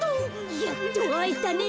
やっとあえたね。